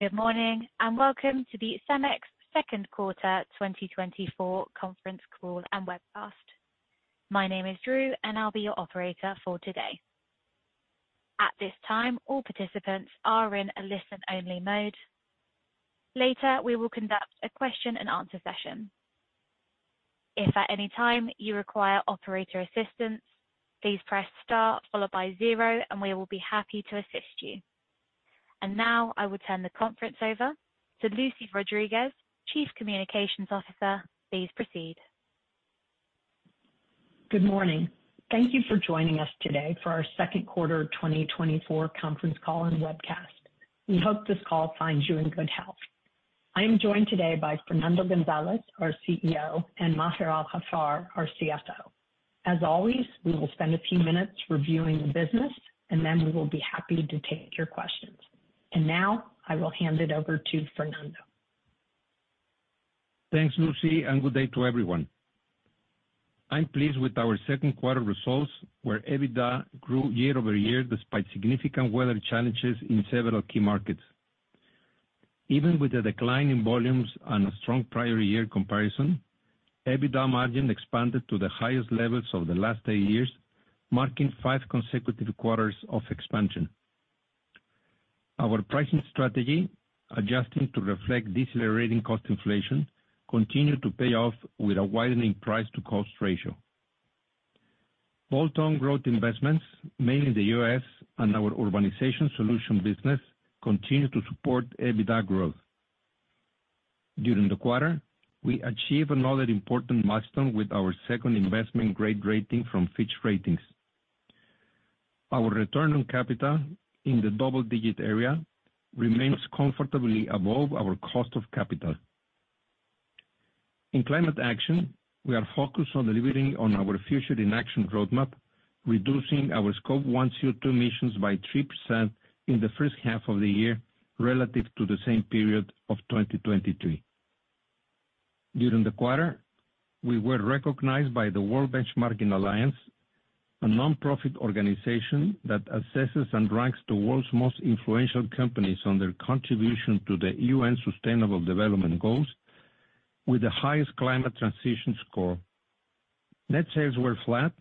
Good morning, and welcome to the Cemex Second Quarter 2024 Conference Call and Webcast. My name is Drew, and I'll be your operator for today. At this time, all participants are in a listen-only mode. Later, we will conduct a question-and-answer session. If at any time you require operator assistance, please press Star followed by zero, and we will be happy to assist you. And now, I will turn the conference over to Lucy Rodriguez, Chief Communications Officer. Please proceed. Good morning. Thank you for joining us today for our second quarter 2024 conference call and webcast. We hope this call finds you in good health. I am joined today by Fernando González, our CEO, and Maher Al-Haffar, our CFO. As always, we will spend a few minutes reviewing the business, and then we will be happy to take your questions. Now, I will hand it over to Fernando. Thanks, Lucy, and good day to everyone. I'm pleased with our second quarter results, where EBITDA grew year-over-year despite significant weather challenges in several key markets. Even with a decline in volumes and a strong prior year comparison, EBITDA margin expanded to the highest levels of the last eight years, marking five consecutive quarters of expansion. Our pricing strategy, adjusting to reflect decelerating cost inflation, continued to pay off with a widening price-to-cost ratio. Bolt-on growth investments, mainly in the U.S. and our urbanization solution business, continued to support EBITDA growth. During the quarter, we achieved another important milestone with our second investment-grade rating from Fitch Ratings. Our return on capital in the double-digit area remains comfortably above our cost of capital. In climate action, we are focused on delivering on our Future in Action roadmap, reducing our Scope 1 CO2 emissions by 3% in the first half of the year relative to the same period of 2023. During the quarter, we were recognized by the World Benchmarking Alliance, a nonprofit organization that assesses and ranks the world's most influential companies on their contribution to the UN Sustainable Development Goals, with the highest climate transition score. Net sales were flat,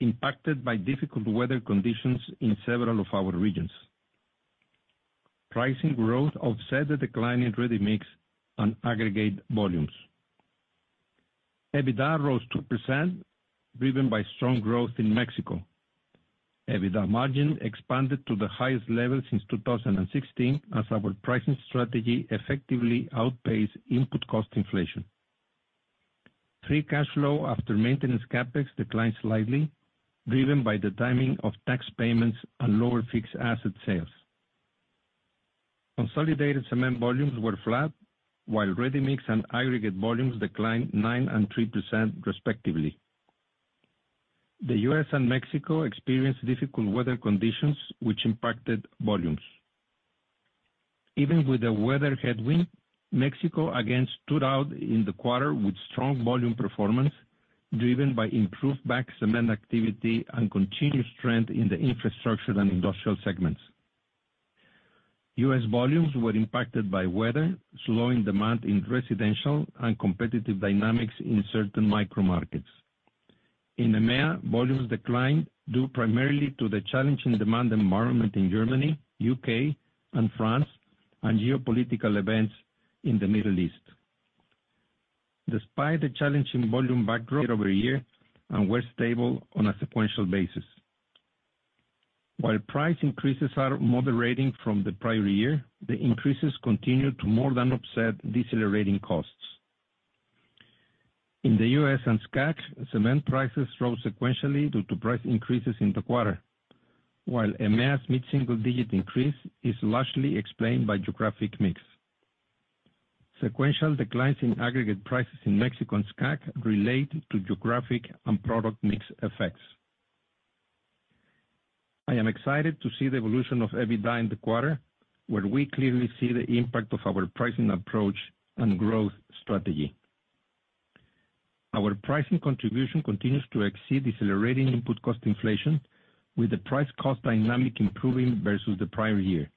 impacted by difficult weather conditions in several of our regions. Pricing growth offset the decline in ready-mix and aggregate volumes. EBITDA rose 2%, driven by strong growth in Mexico. EBITDA margin expanded to the highest level since 2016 as our pricing strategy effectively outpaced input cost inflation. Free cash flow after maintenance CapEx declined slightly, driven by the timing of tax payments and lower fixed asset sales. Consolidated cement volumes were flat, while ready-mix and aggregate volumes declined 9% and 3%, respectively. The U.S. and Mexico experienced difficult weather conditions, which impacted volumes. Even with the weather headwind, Mexico again stood out in the quarter with strong volume performance, driven by improved bag cement activity and continued strength in the infrastructure and industrial segments. U.S. volumes were impacted by weather, slowing demand in residential and competitive dynamics in certain micro markets. In EMEA, volumes declined due primarily to the challenging demand environment in Germany, U.K., and France, and geopolitical events in the Middle East. Despite the challenging volume backdrop year-over-year and were stable on a sequential basis. While price increases are moderating from the prior year, the increases continue to more than offset decelerating costs. In the U.S. and SCAC, cement prices rose sequentially due to price increases in the quarter, while EMEA's mid-single-digit increase is largely explained by geographic mix. Sequential declines in aggregate prices in Mexico and SCAC relate to geographic and product mix effects. I am excited to see the evolution of EBITDA in the quarter, where we clearly see the impact of our pricing approach and growth strategy. Our pricing contribution continues to exceed decelerating input cost inflation, with the price-cost dynamic improving versus the prior year.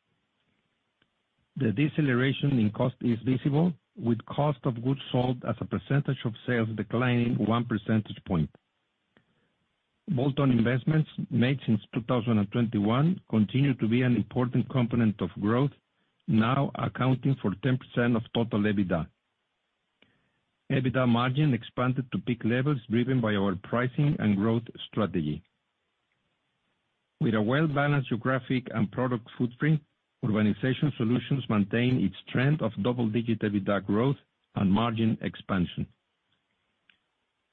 The deceleration in cost is visible, with cost of goods sold as a percentage of sales declining one percentage point. Bolt-on investments made since 2021 continue to be an important component of growth, now accounting for 10% of total EBITDA. EBITDA margin expanded to peak levels, driven by our pricing and growth strategy. With a well-balanced geographic and product footprint, Urbanization Solutions maintain its trend of double-digit EBITDA growth and margin expansion.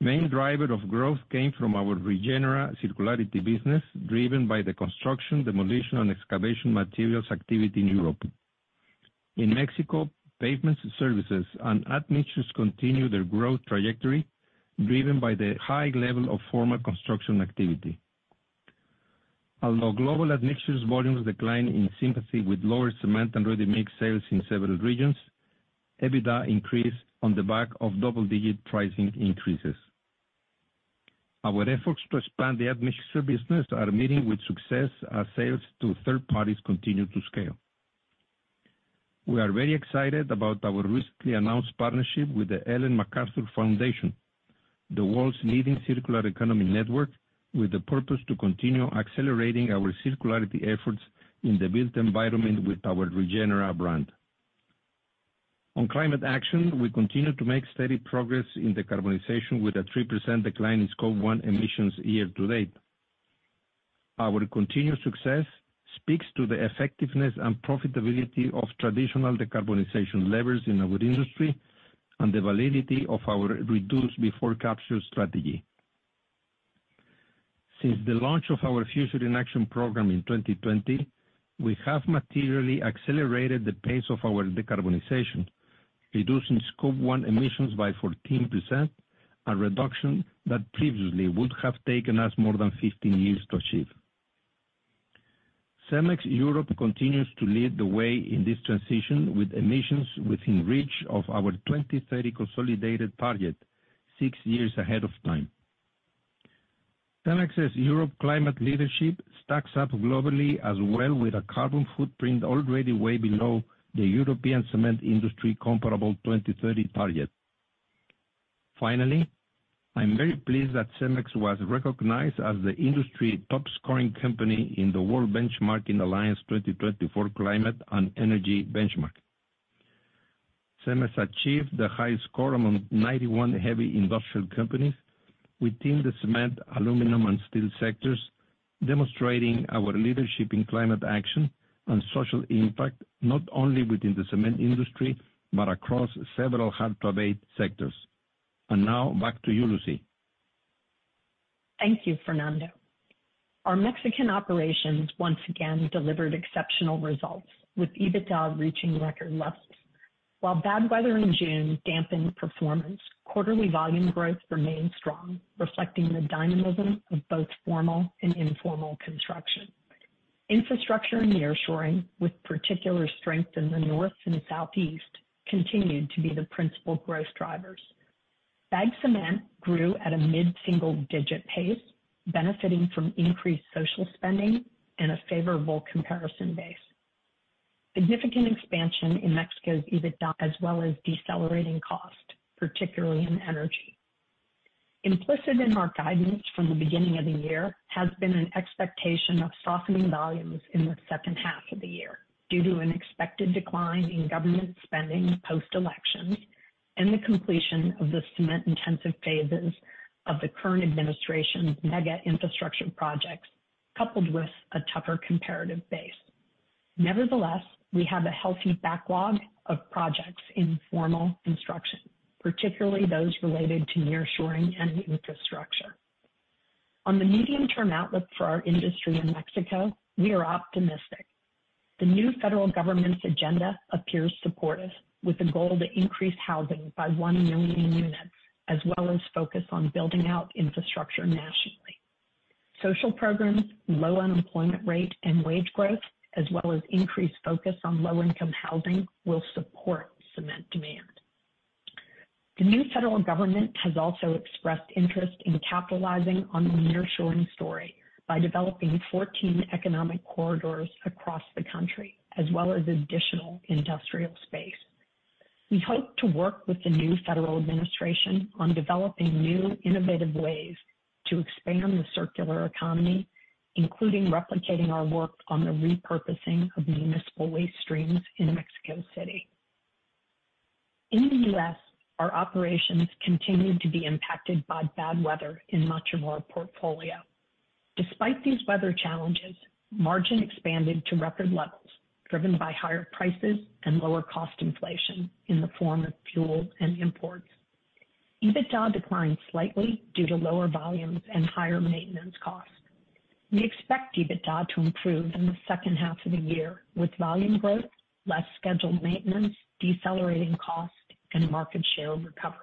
Main driver of growth came from our Regenera circularity business, driven by the construction, demolition, and excavation materials activity in Europe. In Mexico, pavements services and admixtures continue their growth trajectory, driven by the high level of formal construction activity. Although global admixtures volumes declined in sympathy with lower cement and ready-mix sales in several regions, EBITDA increased on the back of double-digit pricing increases.... Our efforts to expand the admixture business are meeting with success as sales to third parties continue to scale. We are very excited about our recently announced partnership with the Ellen MacArthur Foundation, the world's leading circular economy network, with the purpose to continue accelerating our circularity efforts in the built environment with our Regenera brand. On climate action, we continue to make steady progress in decarbonization, with a 3% decline in Scope 1 emissions year to date. Our continued success speaks to the effectiveness and profitability of traditional decarbonization levers in our industry and the validity of our reduce before capture strategy. Since the launch of our Future in Action program in 2020, we have materially accelerated the pace of our decarbonization, reducing Scope 1 emissions by 14%, a reduction that previously would have taken us more than 15 years to achieve. Cemex Europe continues to lead the way in this transition, with emissions within reach of our 2030 consolidated target, six years ahead of time. Cemex's Europe climate leadership stacks up globally as well, with a carbon footprint already way below the European cement industry comparable 2030 target. Finally, I'm very pleased that Cemex was recognized as the industry top-scoring company in the World Benchmarking Alliance 2024 Climate and Energy Benchmark. Cemex achieved the highest score among 91 heavy industrial companies within the cement, aluminum, and steel sectors, demonstrating our leadership in climate action and social impact, not only within the cement industry, but across several hard-to-abate sectors. And now back to you, Lucy. Thank you, Fernando. Our Mexican operations once again delivered exceptional results, with EBITDA reaching record levels. While bad weather in June dampened performance, quarterly volume growth remained strong, reflecting the dynamism of both formal and informal construction. Infrastructure and nearshoring, with particular strength in the north and southeast, continued to be the principal growth drivers. Bag cement grew at a mid-single digit pace, benefiting from increased social spending and a favorable comparison base. Significant expansion in Mexico's EBITDA, as well as decelerating cost, particularly in energy. Implicit in our guidance from the beginning of the year has been an expectation of softening volumes in the second half of the year due to an expected decline in government spending post-election and the completion of the cement-intensive phases of the current administration's mega infrastructure projects, coupled with a tougher comparative base. Nevertheless, we have a healthy backlog of projects in formal construction, particularly those related to nearshoring and infrastructure. On the medium-term outlook for our industry in Mexico, we are optimistic. The new federal government's agenda appears supportive, with a goal to increase housing by 1 million units, as well as focus on building out infrastructure nationally. Social programs, low unemployment rate, and wage growth, as well as increased focus on low-income housing, will support cement demand. The new federal government has also expressed interest in capitalizing on the nearshoring story by developing 14 economic corridors across the country, as well as additional industrial space. We hope to work with the new federal administration on developing new, innovative ways to expand the circular economy, including replicating our work on the repurposing of municipal waste streams in Mexico City. In the U.S., our operations continued to be impacted by bad weather in much of our portfolio. Despite these weather challenges, margin expanded to record levels, driven by higher prices and lower cost inflation in the form of fuel and imports. EBITDA declined slightly due to lower volumes and higher maintenance costs. We expect EBITDA to improve in the second half of the year with volume growth, less scheduled maintenance, decelerating costs, and market share recovery.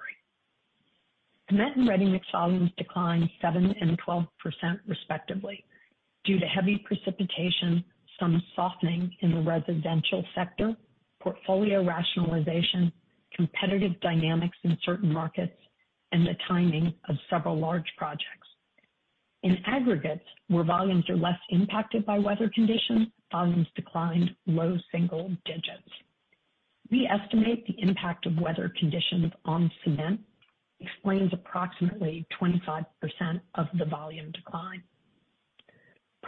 Cement and ready-mix volumes declined 7% and 12%, respectively, due to heavy precipitation, some softening in the residential sector, portfolio rationalization, competitive dynamics in certain markets, and the timing of several large projects. In aggregates, where volumes are less impacted by weather conditions, volumes declined low single digits. We estimate the impact of weather conditions on cement explains approximately 25% of the volume decline.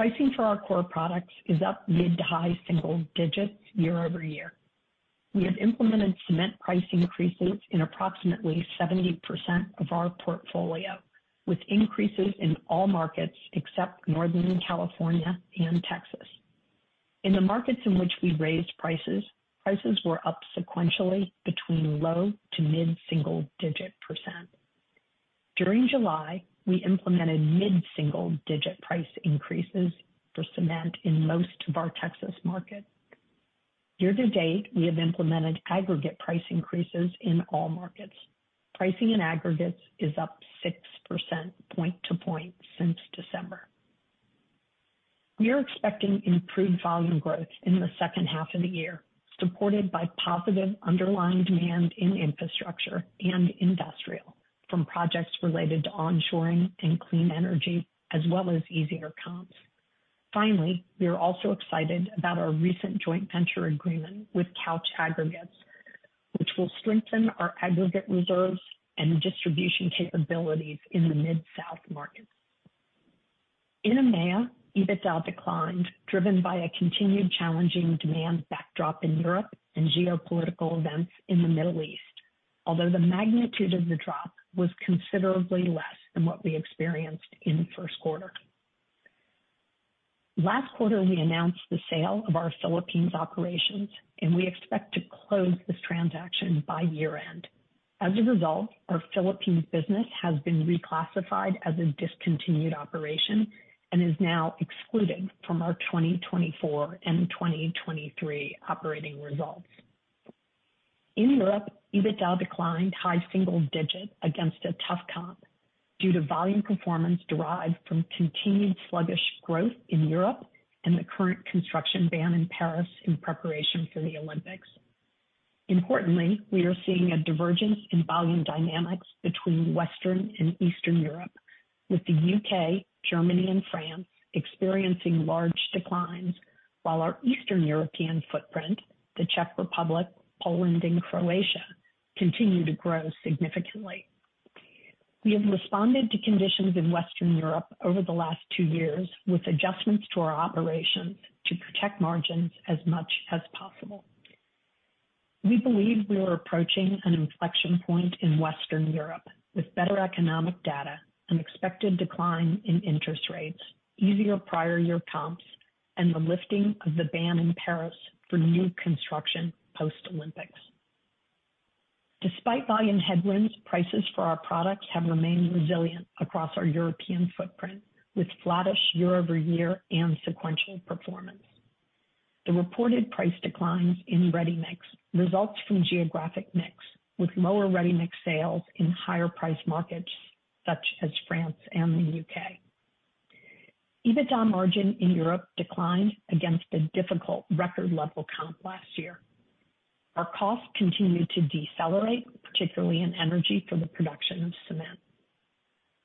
Pricing for our core products is up mid- to high-single digits year-over-year. We have implemented cement price increases in approximately 70% of our portfolio, with increases in all markets except Northern California and Texas. In the markets in which we raised prices, prices were up sequentially between low- to mid-single-digit %. During July, we implemented mid-single-digit price increases for cement in most of our Texas markets. Year-to-date, we have implemented aggregate price increases in all markets. Pricing in aggregates is up 6 percentage points point-to-point since December... We're expecting improved volume growth in the second half of the year, supported by positive underlying demand in infrastructure and industrial from projects related to onshoring and clean energy, as well as easier comps. Finally, we are also excited about our recent joint venture agreement with Couch Aggregates, which will strengthen our aggregate reserves and distribution capabilities in the Mid-South market. In EMEA, EBITDA declined, driven by a continued challenging demand backdrop in Europe and geopolitical events in the Middle East, although the magnitude of the drop was considerably less than what we experienced in the first quarter. Last quarter, we announced the sale of our Philippines operations, and we expect to close this transaction by year-end. As a result, our Philippines business has been reclassified as a discontinued operation and is now excluded from our 2024 and 2023 operating results. In Europe, EBITDA declined high single digit against a tough comp due to volume performance derived from continued sluggish growth in Europe and the current construction ban in Paris in preparation for the Olympics. Importantly, we are seeing a divergence in volume dynamics between Western and Eastern Europe, with the U.K., Germany, and France experiencing large declines, while our Eastern European footprint, the Czech Republic, Poland, and Croatia, continue to grow significantly. We have responded to conditions in Western Europe over the last two years with adjustments to our operations to protect margins as much as possible. We believe we are approaching an inflection point in Western Europe, with better economic data, an expected decline in interest rates, easier prior year comps, and the lifting of the ban in Paris for new construction post-Olympics. Despite volume headwinds, prices for our products have remained resilient across our European footprint, with flattish year-over-year and sequential performance. The reported price declines in ready-mix results from geographic mix, with lower ready-mix sales in higher price markets such as France and the U.K. EBITDA margin in Europe declined against a difficult record level comp last year. Our costs continued to decelerate, particularly in energy for the production of cement.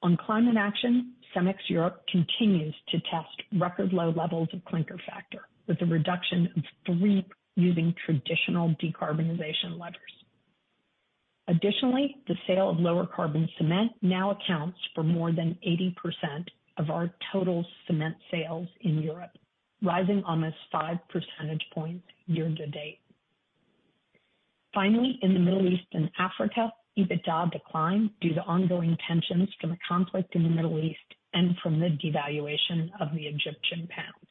On climate action, Cemex Europe continues to test record low levels of clinker factor, with a reduction of 3 using traditional decarbonization levers. Additionally, the sale of lower carbon cement now accounts for more than 80% of our total cement sales in Europe, rising almost 5 percentage points year to date. Finally, in the Middle East and Africa, EBITDA declined due to ongoing tensions from the conflict in the Middle East and from the devaluation of the Egyptian pound.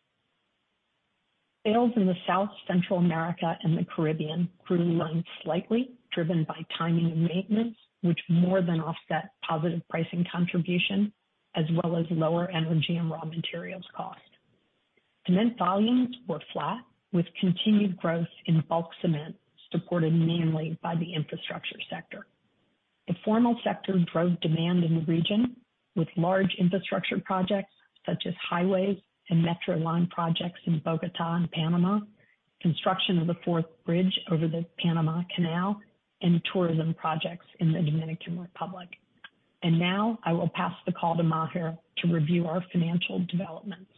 Sales in the South, Central America, and the Caribbean grew slightly, driven by timing and maintenance, which more than offset positive pricing contribution, as well as lower energy and raw materials cost. Cement volumes were flat, with continued growth in bulk cement, supported mainly by the infrastructure sector. The formal sector drove demand in the region, with large infrastructure projects such as highways and metro line projects in Bogota and Panama, construction of the fourth bridge over the Panama Canal, and tourism projects in the Dominican Republic. And now I will pass the call to Maher to review our financial developments.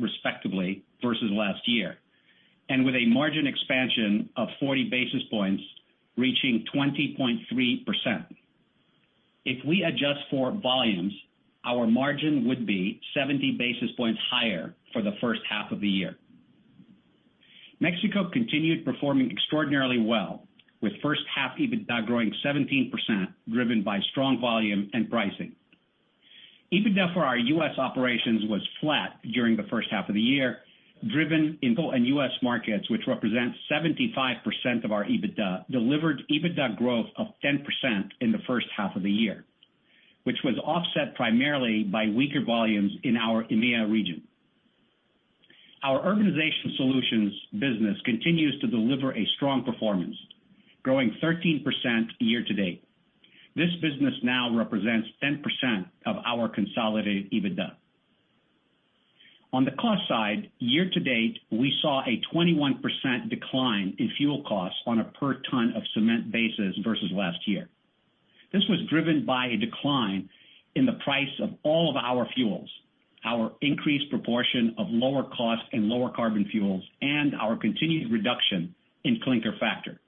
Respectively, versus last year, and with a margin expansion of 40 basis points, reaching 20.3%. If we adjust for volumes, our margin would be 70 basis points higher for the first half of the year. Mexico continued performing extraordinarily well, with first half EBITDA growing 17%, driven by strong volume and pricing. EBITDA for our U.S. operations was flat during the first half of the year, and U.S. markets, which represent 75% of our EBITDA, delivered EBITDA growth of 10% in the first half of the year, which was offset primarily by weaker volumes in our EMEA region. Our Urbanization Solutions business continues to deliver a strong performance, growing 13% year to date. This business now represents 10% of our consolidated EBITDA. On the cost side, year to date, we saw a 21% decline in fuel costs on a per ton of cement basis versus last year. This was driven by a decline in the price of all of our fuels, our increased proportion of lower cost and lower carbon fuels, and our continued reduction in clinker factor.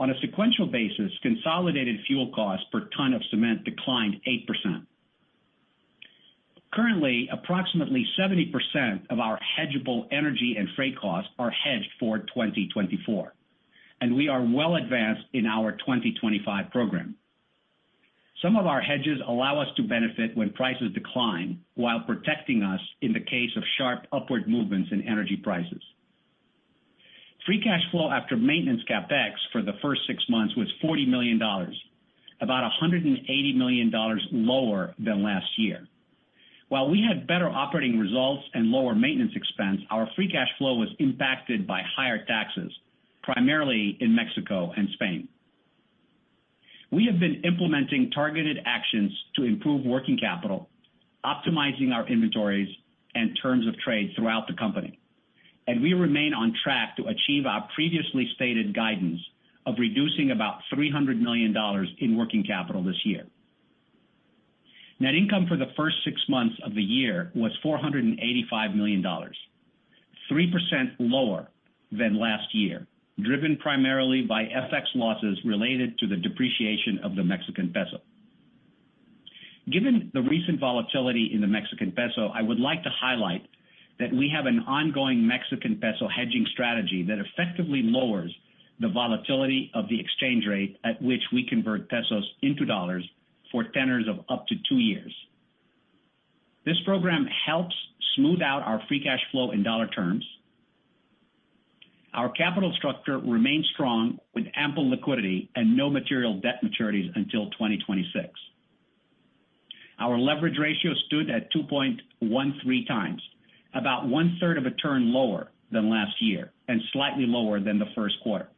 On a sequential basis, consolidated fuel costs per ton of cement declined 8%. Currently, approximately 70% of our hedgeable energy and freight costs are hedged for 2024, and we are well advanced in our 2025 program. Some of our hedges allow us to benefit when prices decline, while protecting us in the case of sharp upward movements in energy prices. Free cash flow after maintenance CapEx for the first six months was $40 million, about $180 million lower than last year. While we had better operating results and lower maintenance expense, our free cash flow was impacted by higher taxes, primarily in Mexico and Spain. We have been implementing targeted actions to improve working capital, optimizing our inventories and terms of trade throughout the company, and we remain on track to achieve our previously stated guidance of reducing about $300 million in working capital this year. Net income for the first six months of the year was $485 million, 3% lower than last year, driven primarily by FX losses related to the depreciation of the Mexican peso. Given the recent volatility in the Mexican peso, I would like to highlight that we have an ongoing Mexican peso hedging strategy that effectively lowers the volatility of the exchange rate at which we convert pesos into dollars for tenors of up to two years. This program helps smooth out our free cash flow in dollar terms. Our capital structure remains strong, with ample liquidity and no material debt maturities until 2026. Our leverage ratio stood at 2.13 times, about one-third of a turn lower than last year and slightly lower than the first quarter.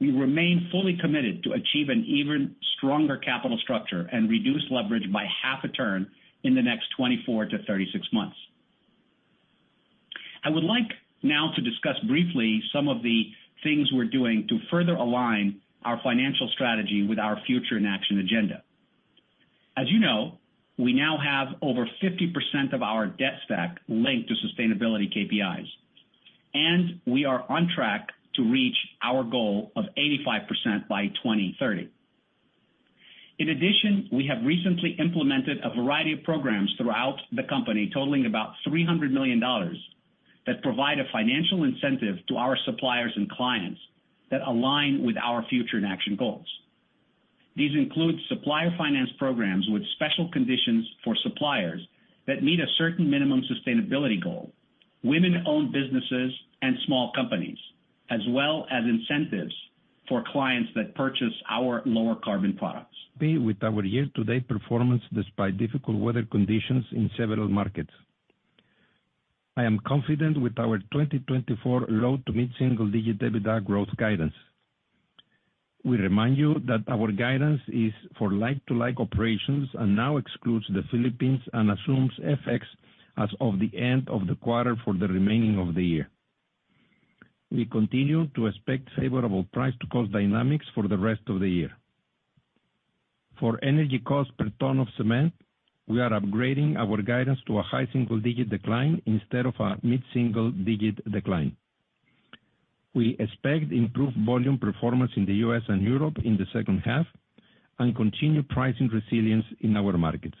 We remain fully committed to achieve an even stronger capital structure and reduce leverage by half a turn in the next 24-36 months. I would like now to discuss briefly some of the things we're doing to further align our financial strategy with our Future in Action agenda. As you know, we now have over 50% of our debt stack linked to sustainability KPIs, and we are on track to reach our goal of 85% by 2030. In addition, we have recently implemented a variety of programs throughout the company, totaling about $300 million, that provide a financial incentive to our suppliers and clients that align with our Future in Action goals. These include supplier finance programs with special conditions for suppliers that meet a certain minimum sustainability goal, women-owned businesses and small companies, as well as incentives for clients that purchase our lower carbon products. With our year-to-date performance, despite difficult weather conditions in several markets, I am confident with our 2024 low- to mid-single-digit EBITDA growth guidance. We remind you that our guidance is for like-to-like operations and now excludes the Philippines and assumes FX as of the end of the quarter for the remaining of the year. We continue to expect favorable price to cost dynamics for the rest of the year. For energy cost per ton of cement, we are upgrading our guidance to a high-single-digit decline instead of a mid-single-digit decline. We expect improved volume performance in the U.S. and Europe in the second half and continued pricing resilience in our markets.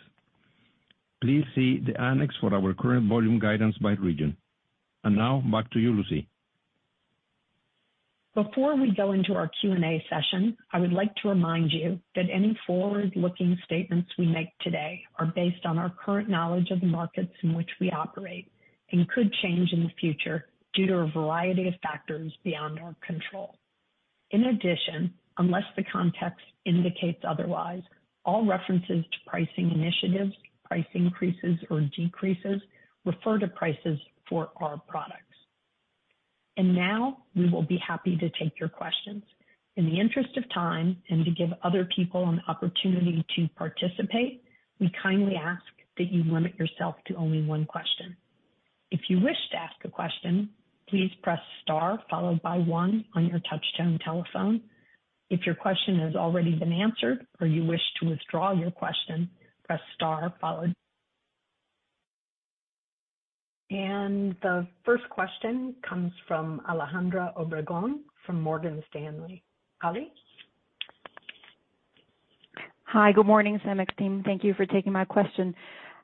Please see the annex for our current volume guidance by region. And now back to you, Lucy. Before we go into our Q&A session, I would like to remind you that any forward-looking statements we make today are based on our current knowledge of the markets in which we operate and could change in the future due to a variety of factors beyond our control. In addition, unless the context indicates otherwise, all references to pricing initiatives, price increases or decreases refer to prices for our products. Now, we will be happy to take your questions. In the interest of time and to give other people an opportunity to participate, we kindly ask that you limit yourself to only one question. If you wish to ask a question, please press star, followed by one on your touchtone telephone. If your question has already been answered or you wish to withdraw your question, press star followed. The first question comes from Alejandra Obregon, from Morgan Stanley. Ali? Hi, good morning, Cemex team. Thank you for taking my question.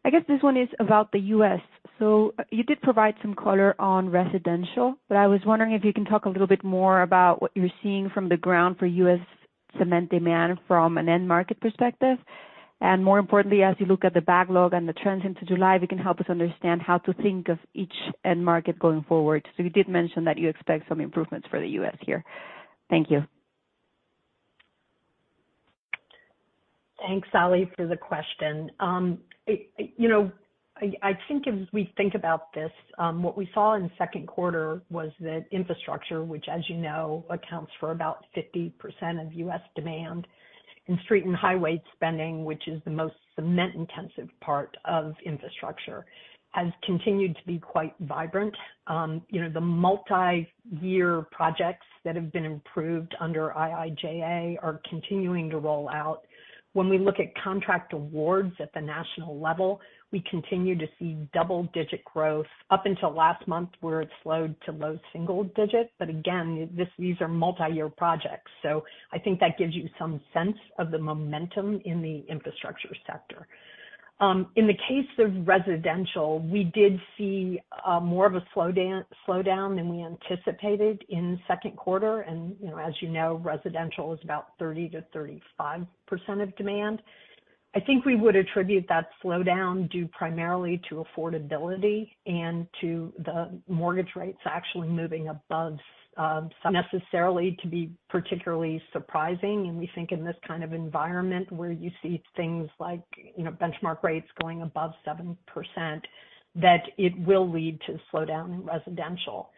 I guess this one is about the U.S. You did provide some color on residential, but I was wondering if you can talk a little bit more about what you're seeing from the ground for U.S. cement demand from an end market perspective. More importantly, as you look at the backlog and the trends into July, if you can help us understand how to think of each end market going forward. You did mention that you expect some improvements for the U.S. here. Thank you. Thanks, Ali, for the question. You know, I think as we think about this, what we saw in the second quarter was that infrastructure, which, as you know, accounts for about 50% of U.S. demand in street and highway spending, which is the most cement-intensive part of infrastructure, has continued to grow, the multi-year projects that have been improved under IIJA are continuing to roll out. When we look at contract awards at the national level, we continue to see double-digit growth up until last month, where it slowed to low single digits. But again, these are multi-year projects, so I think that gives you some sense of the momentum in the infrastructure sector. In the case of residential, we did see more of a slowdown than we anticipated in the second quarter. And, you know, as you know, residential is about 30%-35% of demand. I think we would attribute that slowdown due primarily to affordability and to the mortgage rates actually moving above, necessarily to be particularly surprising. And we think in this kind of environment where you see things like, you know, benchmark rates going above 7%, that it will lead to slowdown in residential.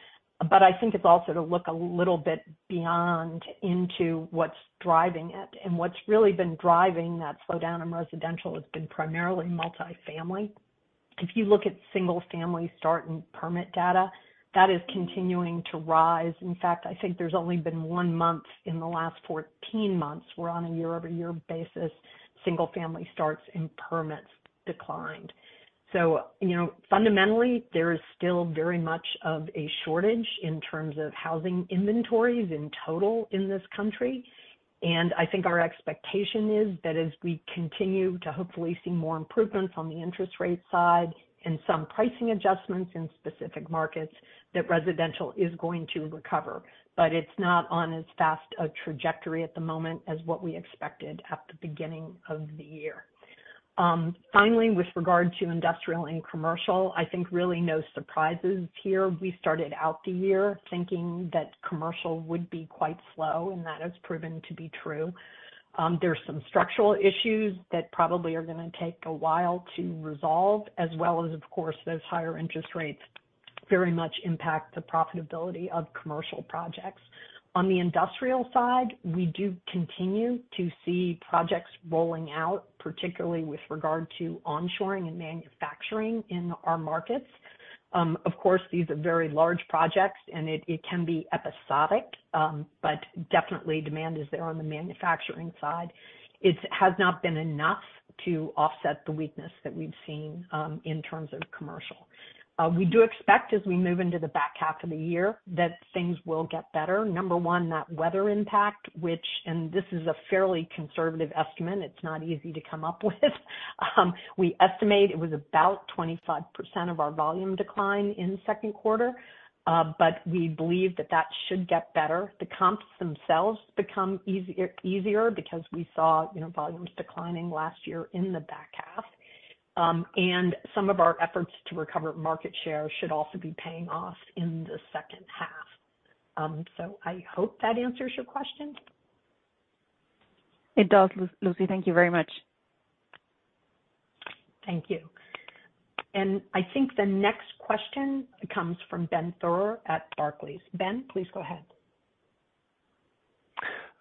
But I think it's also to look a little bit beyond into what's driving it. And what's really been driving that slowdown in residential has been primarily multifamily.... If you look at single-family start and permit data, that is continuing to rise. In fact, I think there's only been one month in the last 14 months, where on a year-over-year basis, single family starts and permits declined. So, you know, fundamentally, there is still very much of a shortage in terms of housing inventories in total in this country. And I think our expectation is that as we continue to hopefully see more improvements on the interest rate side and some pricing adjustments in specific markets, that residential is going to recover, but it's not on as fast a trajectory at the moment as what we expected at the beginning of the year. Finally, with regard to industrial and commercial, I think really no surprises here. We started out the year thinking that commercial would be quite slow, and that has proven to be true. There's some structural issues that probably are gonna take a while to resolve, as well as, of course, those higher interest rates very much impact the profitability of commercial projects. On the industrial side, we do continue to see projects rolling out, particularly with regard to onshoring and manufacturing in our markets. Of course, these are very large projects, and it can be episodic, but definitely demand is there on the manufacturing side. It has not been enough to offset the weakness that we've seen in terms of commercial. We do expect, as we move into the back half of the year, that things will get better. Number one, that weather impact, which, and this is a fairly conservative estimate, it's not easy to come up with. We estimate it was about 25% of our volume decline in the second quarter, but we believe that that should get better. The comps themselves become easier because we saw, you know, volumes declining last year in the back half. Some of our efforts to recover market share should also be paying off in the second half. I hope that answers your question. It does, Lucy. Thank you very much. Thank you. And I think the next question comes from Ben Theurer at Barclays. Ben, please go ahead.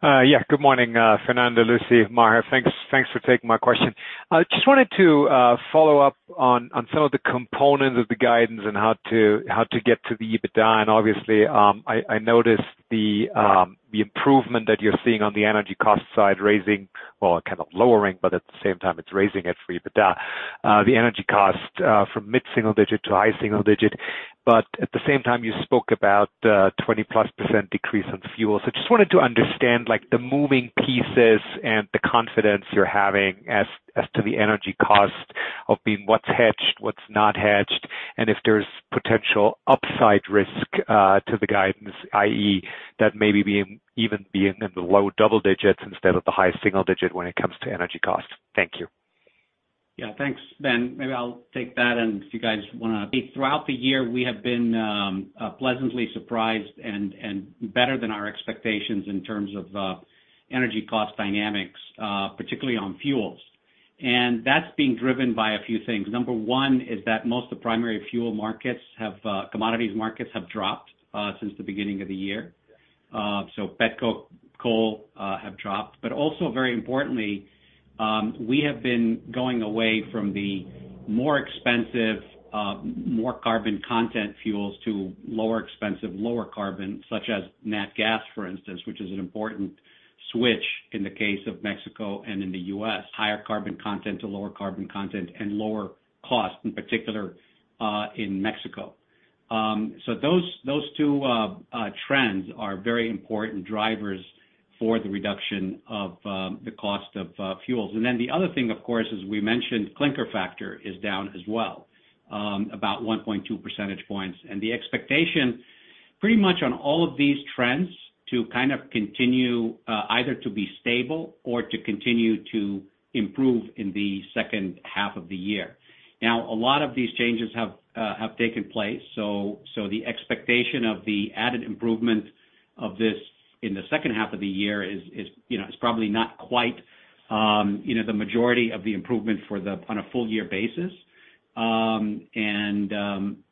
Yeah, good morning, Fernando, Lucy, Maher. Thanks, thanks for taking my question. I just wanted to follow up on some of the components of the guidance and how to get to the EBITDA. And obviously, I noticed the improvement that you're seeing on the energy cost side, raising, well, kind of lowering, but at the same time, it's raising it for EBITDA, the energy cost from mid-single digit to high single digit. But at the same time, you spoke about 20%+ decrease in fuel. So just wanted to understand, like, the moving pieces and the confidence you're having as to the energy cost of being what's hedged, what's not hedged, and if there's potential upside risk to the guidance, i.e., that maybe being, even being in the low double digits instead of the high single digit when it comes to energy costs? Thank you. Yeah, thanks, Ben. Maybe I'll take that, and if you guys wanna... Throughout the year, we have been pleasantly surprised and better than our expectations in terms of energy cost dynamics, particularly on fuels. That's being driven by a few things. Number one is that most of the primary fuel markets, commodities markets have dropped since the beginning of the year. So pet coke, coal, have dropped. But also, very importantly, we have been going away from the more expensive, more carbon content fuels to lower expensive, lower carbon, such as nat gas, for instance, which is an important switch in the case of Mexico and in the U.S., higher carbon content to lower carbon content and lower cost, in particular, in Mexico. So those two trends are very important drivers for the reduction of the cost of fuels. And then the other thing, of course, as we mentioned, clinker factor is down as well, about 1.2 percentage points. And the expectation pretty much on all of these trends to kind of continue, either to be stable or to continue to improve in the second half of the year. Now, a lot of these changes have taken place, so the expectation of the added improvement of this in the second half of the year is, you know, probably not quite, you know, the majority of the improvement for the on a full year basis. And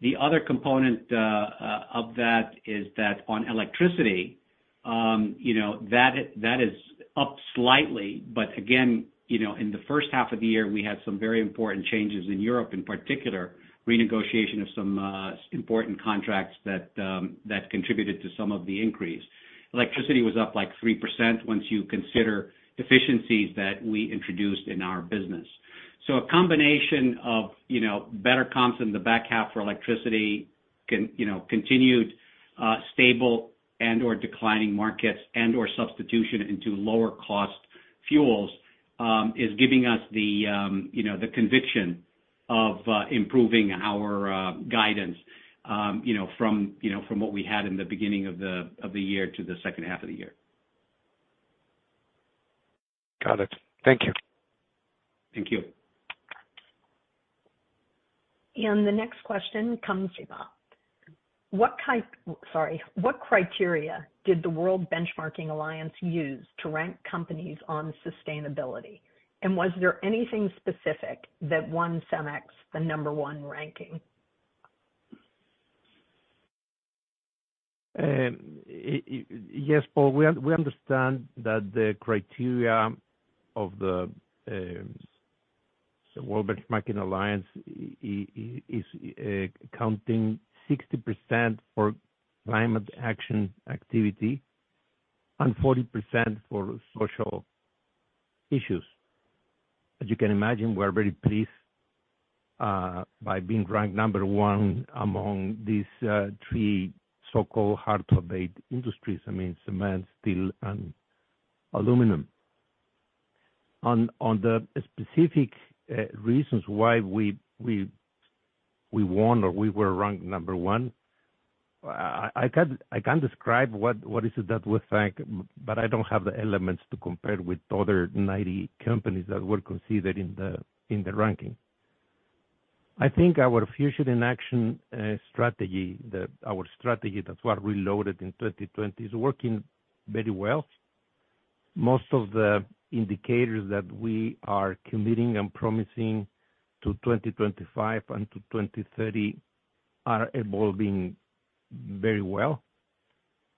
the other component of that is that on electricity, you know, that is up slightly. But again, you know, in the first half of the year, we had some very important changes in Europe, in particular, renegotiation of some important contracts that contributed to some of the increase. Electricity was up, like, 3% once you consider efficiencies that we introduced in our business. So a combination of, you know, better comps in the back half for electricity, continued stable and/or declining markets and/or substitution into lower cost fuels is giving us the, you know, the conviction of improving our guidance, you know, from what we had in the beginning of the year to the second half of the year. Got it. Thank you. Thank you. The next question comes from Paul. What criteria did the World Benchmarking Alliance use to rank companies on sustainability? And was there anything specific that won Cemex the number one ranking? Yes, Paul, we understand that the criteria of the World Benchmarking Alliance is counting 60% for climate action activity and 40% for social issues. As you can imagine, we're very pleased by being ranked number one among these three so-called hard-to-abate industries, I mean, cement, steel, and aluminum. On the specific reasons why we won or we were ranked number one, I can describe what is it that we think, but I don't have the elements to compare with other 90 companies that were considered in the ranking. I think our Future in Action strategy, our strategy that we launched in 2020, is working very well. Most of the indicators that we are committing and promising to 2025 and to 2030 are evolving very well.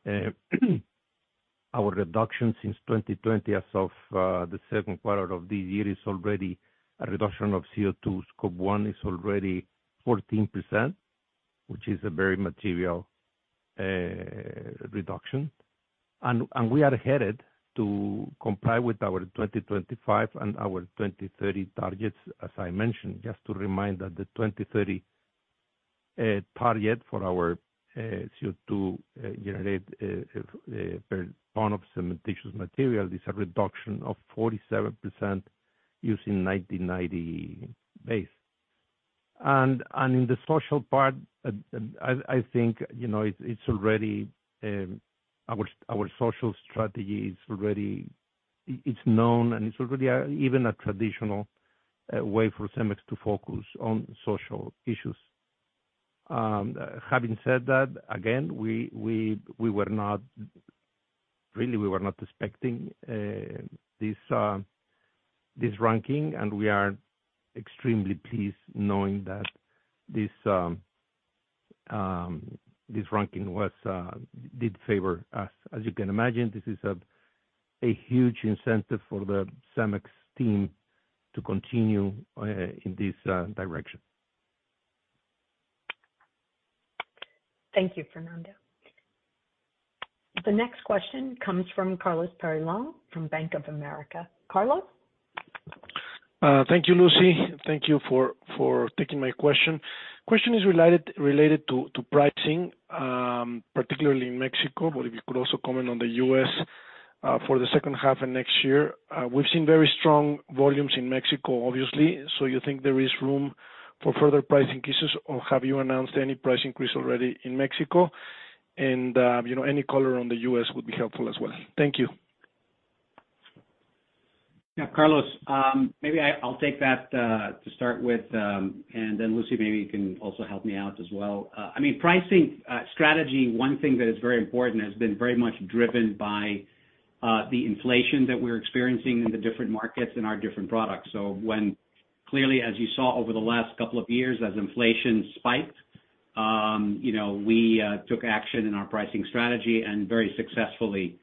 Our reduction since 2020 as of the second quarter of this year is already a reduction of CO2 Scope 1 is already 14%, which is a very material reduction. And we are headed to comply with our 2025 and our 2030 targets, as I mentioned, just to remind that the 2030 target for our CO2 generated per ton of cementitious material is a reduction of 47% using 1990 base. And in the social part, I think, you know, it's already our social strategy is already it's known, and it's already a even a traditional way for Cemex to focus on social issues. Having said that, again, really, we were not expecting this ranking, and we are extremely pleased knowing that this ranking did favor us. As you can imagine, this is a huge incentive for the Cemex team to continue in this direction. Thank you, Fernando. The next question comes from Carlos Peyrelongue from Bank of America. Carlos? Thank you, Lucy. Thank you for taking my question. Question is related to pricing, particularly in Mexico, but if you could also comment on the U.S. for the second half and next year. We've seen very strong volumes in Mexico, obviously. So you think there is room for further pricing increases, or have you announced any price increase already in Mexico? And, you know, any color on the U.S. would be helpful as well. Thank you. Yeah, Carlos, maybe I, I'll take that, to start with, and then Lucy, maybe you can also help me out as well. I mean, pricing strategy, one thing that is very important, has been very much driven by the inflation that we're experiencing in the different markets and our different products. So when, clearly, as you saw over the last couple of years, as inflation spiked, you know, we took action in our pricing strategy and very successfully.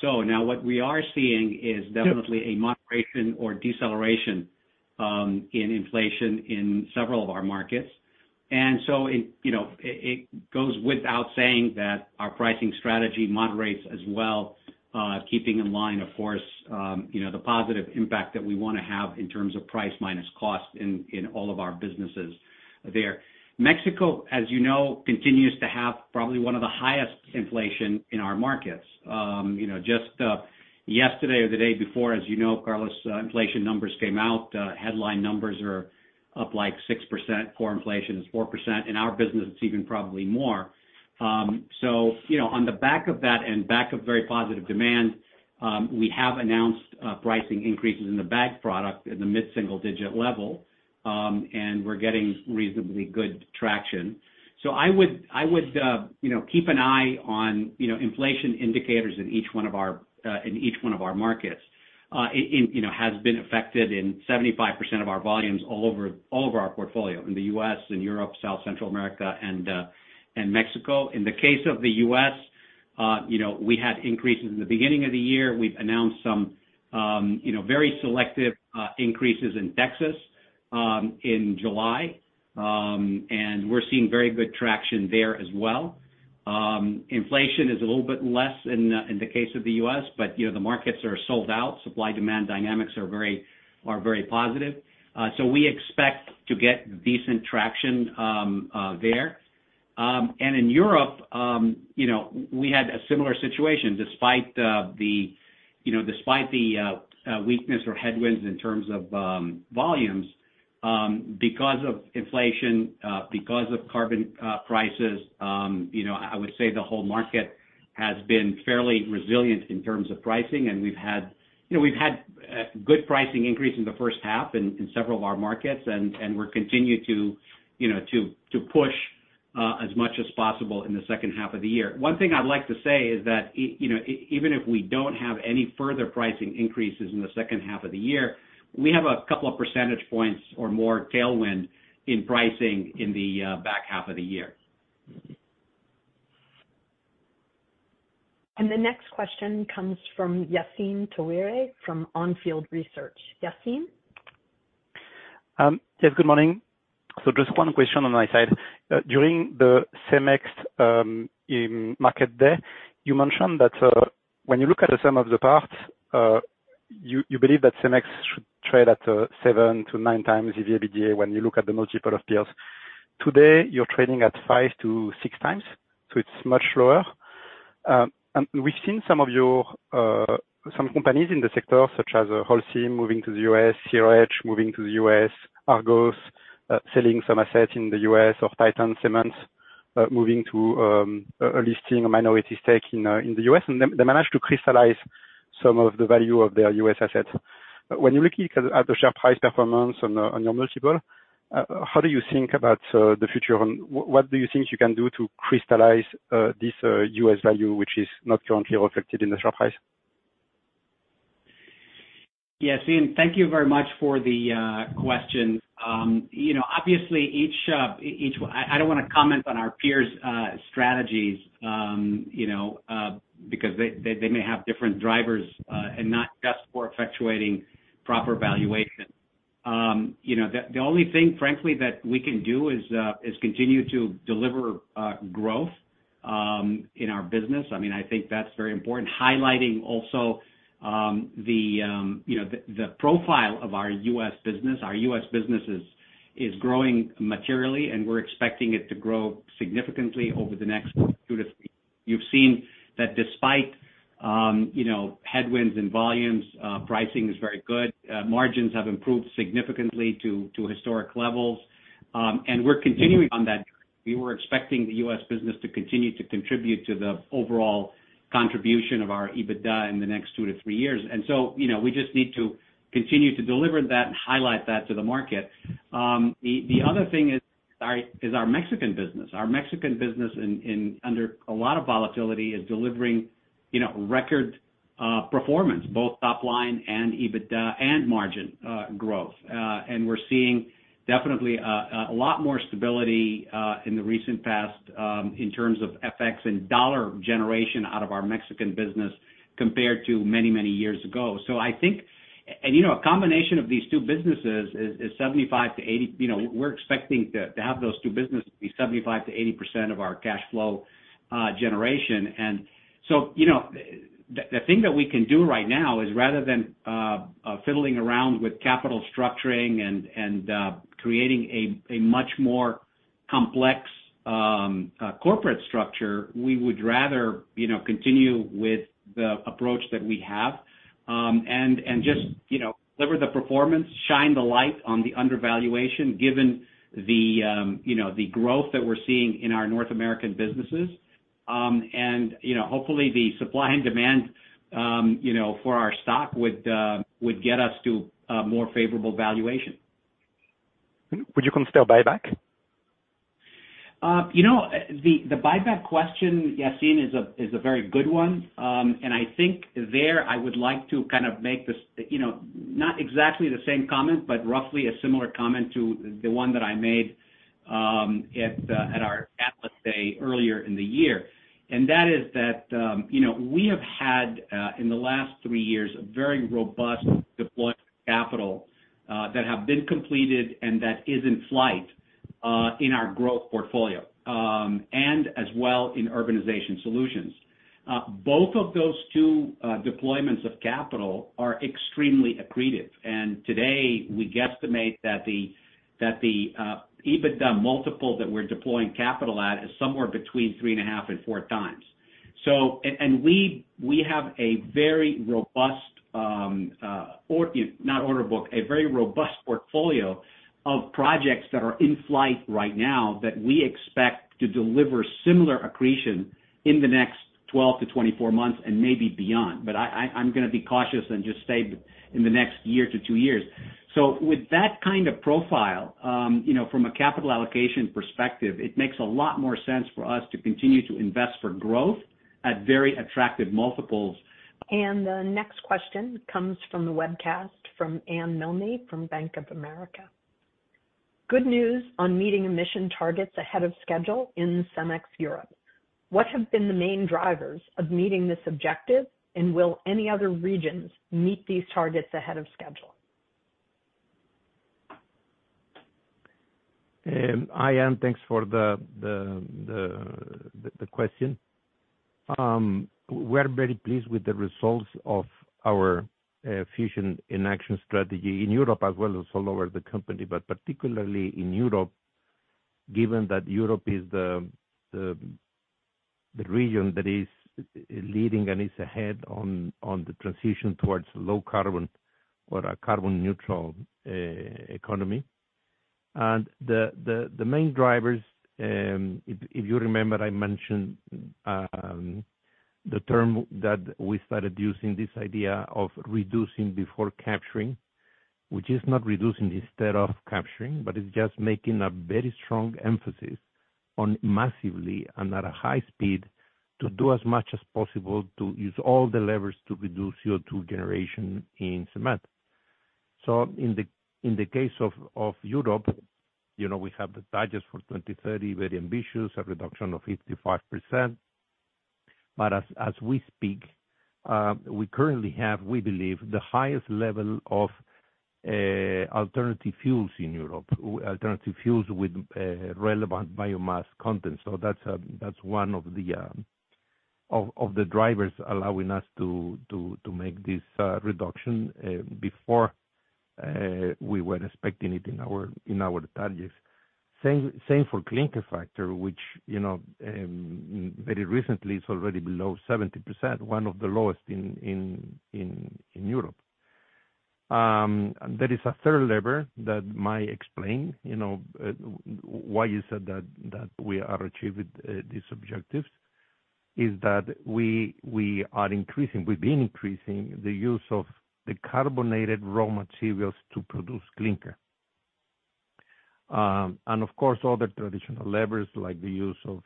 So now what we are seeing is definitely- Sure A moderation or deceleration in inflation in several of our markets. And so it, you know, it goes without saying that our pricing strategy moderates as well, keeping in line, of course, you know, the positive impact that we wanna have in terms of price minus cost in all of our businesses there. Mexico, as you know, continues to have probably one of the highest inflation in our markets. You know, just yesterday or the day before, as you know, Carlos, inflation numbers came out, headline numbers are up, like, 6%, core inflation is 4%, in our business, it's even probably more. So, you know, on the back of that and back of very positive demand, we have announced, pricing increases in the bag product in the mid-single digit level, and we're getting reasonably good traction. So I would, I would, you know, keep an eye on, you know, inflation indicators in each one of our, in each one of our markets. Inflation, you know, has been affected in 75% of our volumes all over, all of our portfolio, in the U.S., in Europe, South Central America, and, and Mexico. In the case of the U.S., you know, we had increases in the beginning of the year. We've announced some, you know, very selective, increases in Texas, in July. And we're seeing very good traction there as well. Inflation is a little bit less in the case of the US, but, you know, the markets are sold out. Supply-demand dynamics are very positive. So we expect to get decent traction there. And in Europe, you know, we had a similar situation despite the weakness or headwinds in terms of volumes because of inflation, because of carbon prices, you know, I would say the whole market has been fairly resilient in terms of pricing, and we've had good pricing increase in the first half in several of our markets, and we continue to push as much as possible in the second half of the year. One thing I'd like to say is that you know, even if we don't have any further pricing increases in the second half of the year, we have a couple of percentage points or more tailwind in pricing in the back half of the year. The next question comes from Yassine Touahri from Onfield Research. Yassine? Yes, good morning. So just one question on my side. During the Cemex Capital Markets Day, you mentioned that when you look at the sum of the parts, you believe that Cemex should trade at 7-9x the EBITDA when you look at the multiple of peers. Today, you're trading at 5-6x, so it's much lower. And we've seen some of your companies in the sector, such as Holcim, moving to the U.S., CRH moving to the U.S., Argos selling some assets in the U.S., or Titan Cement moving to a listing of a minority stake in the U.S., and they managed to crystallize some of the value of their U.S. assets. When you're looking at the share price performance on your multiple, how do you think about the future? What do you think you can do to crystallize this U.S. value, which is not currently reflected in the share price? Yassine, thank you very much for the question. You know, obviously, I don't wanna comment on our peers' strategies, you know, because they may have different drivers and not just for effectuating proper valuation. You know, the only thing, frankly, that we can do is continue to deliver growth in our business. I mean, I think that's very important. Highlighting also, you know, the profile of our U.S. business. Our U.S. business is growing materially, and we're expecting it to grow significantly over the next two to three years. You've seen that despite, you know, headwinds and volumes, pricing is very good. Margins have improved significantly to historic levels, and we're continuing on that. We were expecting the U.S. business to continue to contribute to the overall contribution of our EBITDA in the next 2-3 years. And so, you know, we just need to continue to deliver that and highlight that to the market. The other thing is our Mexican business. Our Mexican business under a lot of volatility is delivering, you know, record performance, both top line and EBITDA and margin growth. And we're seeing definitely a lot more stability in the recent past in terms of FX and dollar generation out of our Mexican business, compared to many, many years ago. So I think. You know, a combination of these two businesses is 75 to 80, you know, we're expecting to have those two businesses be 75%-80% of our cash flow generation. So, you know, the thing that we can do right now is, rather than fiddling around with capital structuring and creating a much more complex corporate structure, we would rather, you know, continue with the approach that we have. Just, you know, deliver the performance, shine the light on the undervaluation, given the growth that we're seeing in our North American businesses. You know, hopefully the supply and demand, you know, for our stock would get us to a more favorable valuation. Would you consider buyback? You know, the buyback question, Yassine, is a very good one. I think I would like to kind of make this, you know, not exactly the same comment, but roughly a similar comment to the one that I made at our Analyst Day earlier in the year. That is that you know, we have had in the last three years a very robust deployment of capital that have been completed and that is in flight in our growth portfolio, and as well in Urbanization Solutions. Both of those two deployments of capital are extremely accretive, and today, we guesstimate that the EBITDA multiple that we're deploying capital at is somewhere between 3.5x and 4x. We have a very robust portfolio of projects that are in flight right now, that we expect to deliver similar accretion in the next 12 to 24 months, and maybe beyond. But I'm gonna be cautious and just say, in the next year to 2 years. So with that kind of profile, you know, from a capital allocation perspective, it makes a lot more sense for us to continue to invest for growth at very attractive multiples. The next question comes from the webcast, from Anne Milne, from Bank of America. Good news on meeting emission targets ahead of schedule in Cemex Europe. What have been the main drivers of meeting this objective, and will any other regions meet these targets ahead of schedule? Hi, Ann, thanks for the question. We're very pleased with the results of our Future in Action strategy in Europe, as well as all over the company, but particularly in Europe, given that Europe is the region that is leading and is ahead on the transition towards low carbon or a carbon neutral economy. And the main drivers, if you remember, I mentioned the term that we started using, this idea of reducing before capturing, which is not reducing instead of capturing, but it's just making a very strong emphasis on massively and at a high speed, to do as much as possible to use all the levers to reduce CO2 generation in cement. So in the case of Europe, you know, we have the targets for 2030, very ambitious, a reduction of 55%. But as we speak, we currently have, we believe, the highest level of alternative fuels in Europe, alternative fuels with relevant biomass content. So that's one of the drivers allowing us to make this reduction before we were expecting it in our targets. Same for clinker factor, which, you know, very recently is already below 70%, one of the lowest in Europe. There is a third lever that might explain, you know, why you said that, that we are achieving these objectives, is that we, we are increasing, we've been increasing the use of decarbonated raw materials to produce clinker. And of course, other traditional levers, like the use of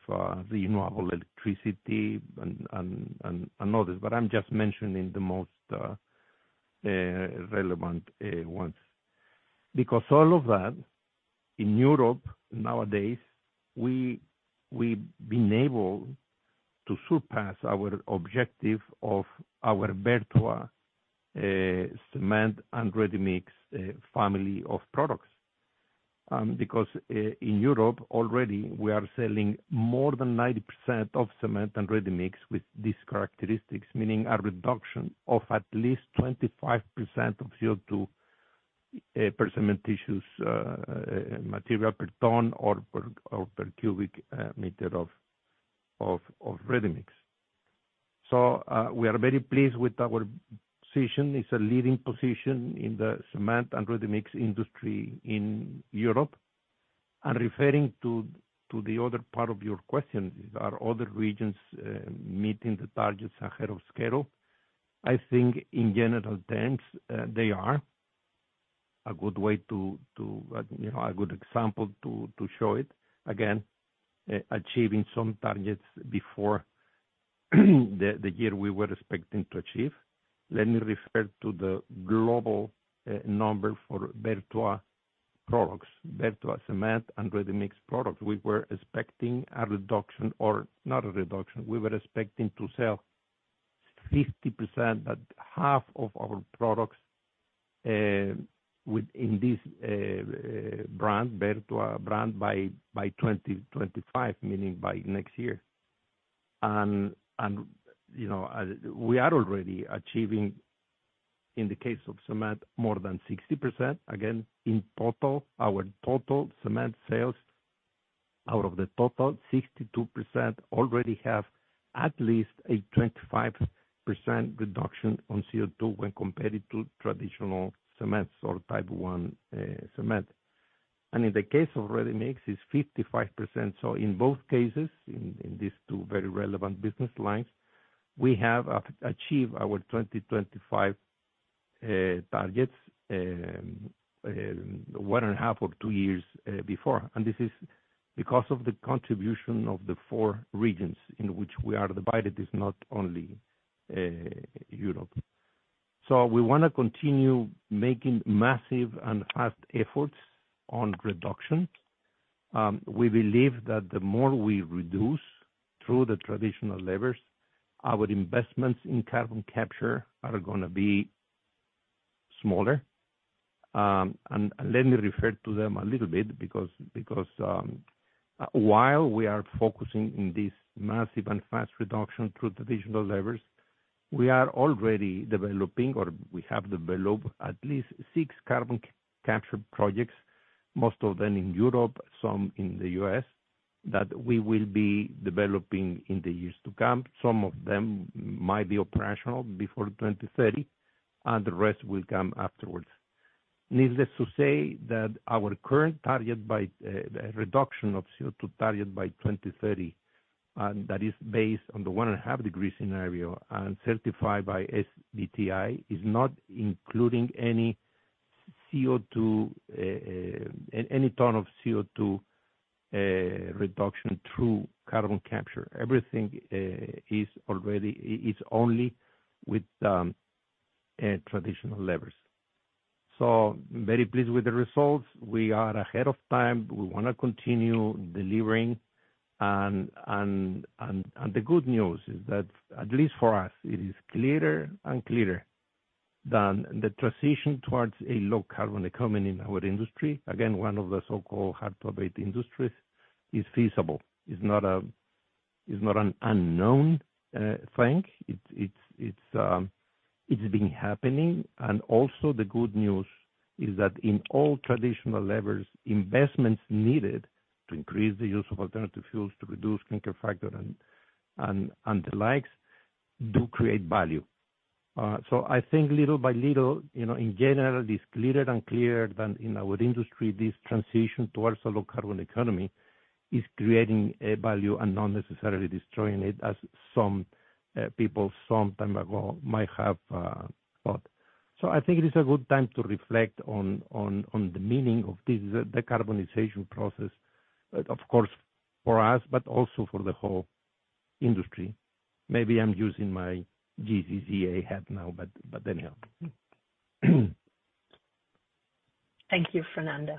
renewable electricity and others, but I'm just mentioning the most relevant ones. Because all of that, in Europe nowadays, we, we've been able to surpass our objective of our Vertua cement and ready-mix family of products. Because in Europe, already we are selling more than 90% of cement and ready-mix with these characteristics, meaning a reduction of at least 25% of CO2 per cementitious material per ton or per cubic meter of ready-mix. We are very pleased with our position. It's a leading position in the cement and ready-mix industry in Europe. And referring to the other part of your question, are other regions meeting the targets ahead of schedule? I think in general terms, they are. A good way to you know, a good example to show it, again, achieving some targets before the year we were expecting to achieve. Let me refer to the global number for Vertua products, Vertua Cement and ready-mix products. We were expecting a reduction, or not a reduction, we were expecting to sell 50%, at half of our products, within this brand, Vertua brand, by 2025, meaning by next year. You know, as we are already achieving, in the case of cement, more than 60%, again, in total, our total cement sales, out of the total, 62% already have at least a 25% reduction on CO2 when compared to traditional cements or Type I cement. In the case of ready-mix, it's 55%. So in both cases, in these two very relevant business lines, we have achieved our 2025 targets one and a half or two years before. And this is because of the contribution of the four regions in which we are divided is not only Europe. So we wanna continue making massive and fast efforts on reduction. We believe that the more we reduce through the traditional levers, our investments in carbon capture are gonna be smaller. And let me refer to them a little bit because, while we are focusing in this massive and fast reduction through traditional levers, we are already developing, or we have developed, at least six carbon capture projects, most of them in Europe, some in the US, that we will be developing in the years to come. Some of them might be operational before 2030, and the rest will come afterwards. Needless to say, that our current target by reduction of CO2 target by 2030, and that is based on the 1.5-degree scenario and certified by SBTi, is not including any CO2 any ton of CO2 reduction through carbon capture. Everything is already is only with traditional levers. So very pleased with the results. We are ahead of time. We wanna continue delivering. And the good news is that, at least for us, it is clearer and clearer that the transition towards a low-carbon economy in our industry, again, one of the so-called hard-to-abate industries, is feasible. It's not an unknown thing. It's been happening. And also the good news is that in all traditional levers, investments needed to increase the use of alternative fuels to reduce clinker factor and the likes, do create value. So I think little by little, you know, in general, it's clearer and clearer that in our industry, this transition towards a low-carbon economy is creating a value and not necessarily destroying it, as some people some time ago might have thought. So I think it is a good time to reflect on the meaning of this, the decarbonization process, of course, for us, but also for the whole industry. Maybe I'm using my GCCA hat now, but anyhow. Thank you, Fernando.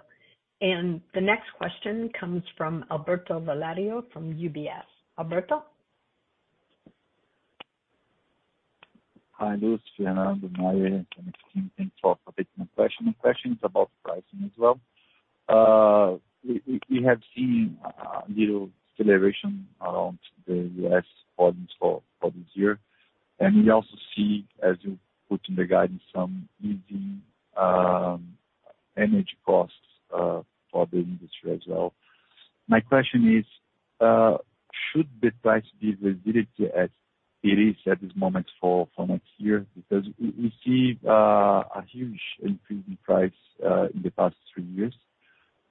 The next question comes from Alberto Valerio from UBS. Alberto? Hi, Lucy and Fernando. My question is about pricing as well. We have seen a little celebration around the U.S. volumes for this year. And we also see, as you put in the guidance, some easy energy costs for the industry as well. My question is, should the price visibility be as it is at this moment for next year? Because we see a huge increase in price in the past 3 years.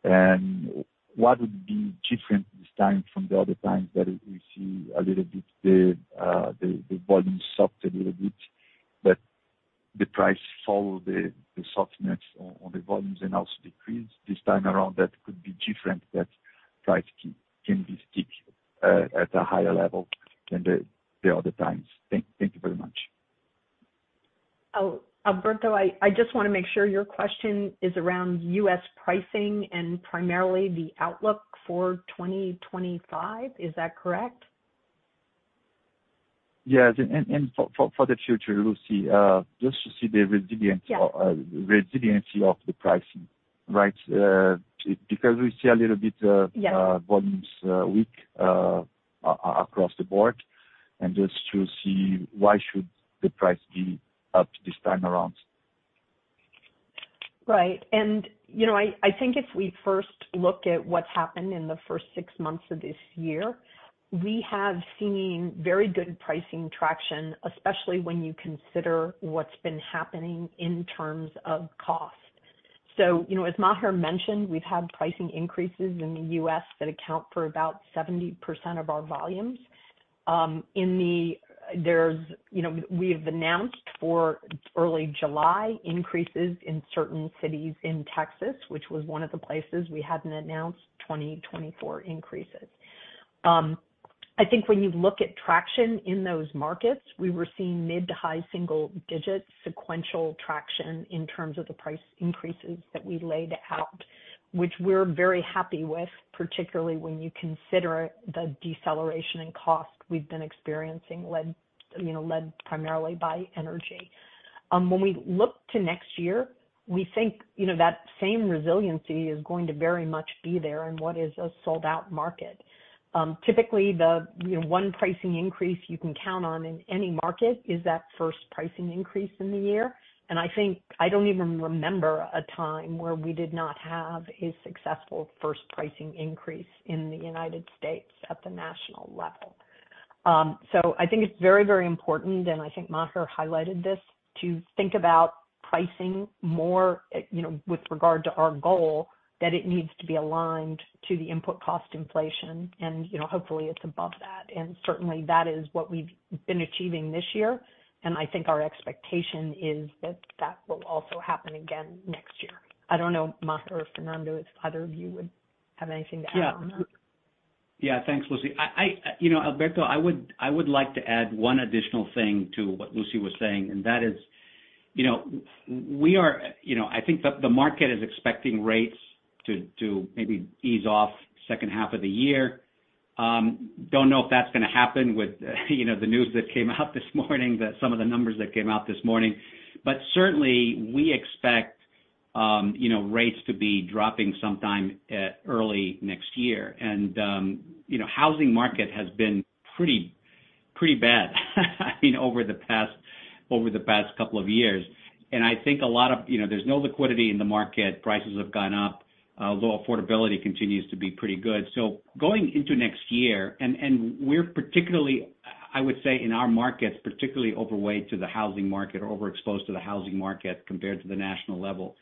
And what would be different this time from the other times that we see a little bit the volume soft a little bit, but the price follow the softness on the volumes and also decrease this time around, that could be different, that price can be stick at a higher level than the other times. Thank you very much. Oh, Alberto, I just wanna make sure your question is around U.S. pricing and primarily the outlook for 2025. Is that correct? Yes, and for the future, Lucy, just to see the resilience- Yeah. Resiliency of the pricing, right? Because we see a little bit, Yeah Volumes weak across the board, and just to see why should the price be up this time around? Right. And, you know, I think if we first look at what's happened in the first six months of this year, we have seen very good pricing traction, especially when you consider what's been happening in terms of cost. So, you know, as Maher mentioned, we've had pricing increases in the U.S. that account for about 70% of our volumes. You know, we've announced for early July, increases in certain cities in Texas, which was one of the places we hadn't announced 2024 increases. I think when you look at traction in those markets, we were seeing mid- to high-single digits, sequential traction in terms of the price increases that we laid out, which we're very happy with, particularly when you consider the deceleration in cost we've been experiencing, you know, led primarily by energy. When we look to next year, we think, you know, that same resiliency is going to very much be there in what is a sold-out market. Typically, you know, one pricing increase you can count on in any market is that first pricing increase in the year. And I think, I don't even remember a time where we did not have a successful first pricing increase in the United States at the national level. So I think it's very, very important, and I think Maher highlighted this, to think about pricing more, you know, with regard to our goal, that it needs to be aligned to the input cost inflation, and, you know, hopefully, it's above that. And certainly, that is what we've been achieving this year, and I think our expectation is that that will also happen again next year. I don't know, Maher or Fernando, if either of you would have anything to add on that? Yeah. Yeah, thanks, Lucy. You know, Alberto, I would like to add one additional thing to what Lucy was saying, and that is, you know, we are, you know, I think the market is expecting rates to maybe ease off second half of the year. Don't know if that's gonna happen with, you know, the news that came out this morning, that some of the numbers that came out this morning. But certainly, we expect, you know, rates to be dropping sometime early next year. And, you know, housing market has been pretty, pretty bad, I mean, over the past, over the past couple of years. And I think a lot of—you know, there's no liquidity in the market, prices have gone up, although affordability continues to be pretty good. So going into next year, and we're particularly, I would say, in our markets, particularly overweight to the housing market or overexposed to the housing market, compared to the national level.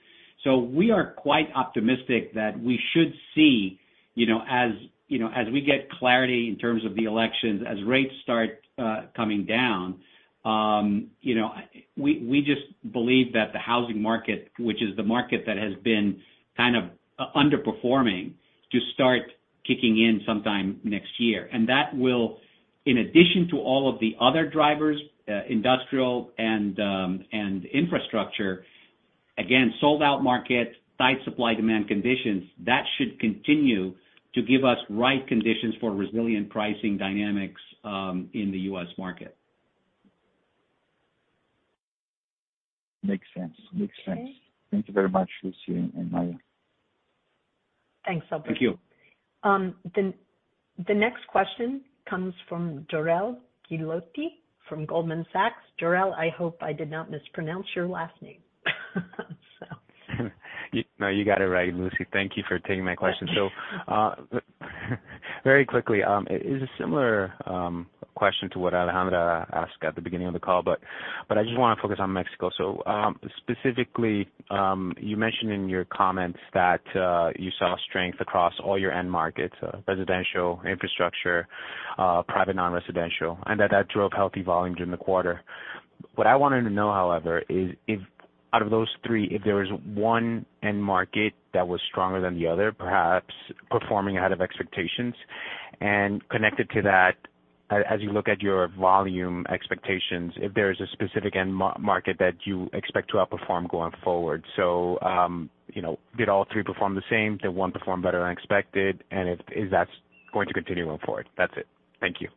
So we are quite optimistic that we should see, you know, as, you know, as we get clarity in terms of the elections, as rates start coming down, you know, we just believe that the housing market, which is the market that has been kind of underperforming, to start kicking in sometime next year. And that will, in addition to all of the other drivers, industrial and infrastructure, again, sold-out market, tight supply-demand conditions, that should continue to give us right conditions for resilient pricing dynamics, in the U.S. market. Makes sense. Makes sense. Okay. Thank you very much, Lucy and Maher. Thanks, Alberto. Thank you. The next question comes from Jorel Guilloty from Goldman Sachs. Jorel, I hope I did not mispronounce your last name. So. No, you got it right, Lucy. Thank you for taking my question. Yeah. So, very quickly, it is a similar question to what Alejandra asked at the beginning of the call, but, but I just wanna focus on Mexico. So, specifically, you mentioned in your comments that you saw strength across all your end markets, residential, infrastructure, private non-residential, and that, that drove healthy volumes in the quarter. What I wanted to know, however, is if out of those three, if there was one end market that was stronger than the other, perhaps performing ahead of expectations. And connected to that, as you look at your volume expectations, if there is a specific end market that you expect to outperform going forward. So, you know, did all three perform the same? Did one perform better than expected? And if, is that going to continue going forward? That's it. Thank you.